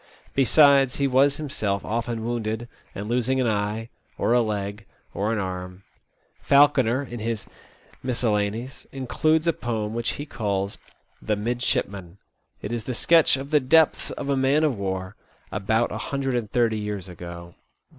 Besides, he was himself often wounded and losing an eye, or a leg, or an arm. Falconer, in his " Miscellanies,'* includes a poem which he calls " The Midshipman." It is the sketch of the depths of a man of war, about a hundred and thirty years ago.